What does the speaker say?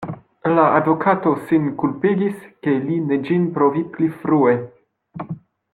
La advokato sin kulpigis, ke li ne ĝin provi pli frue.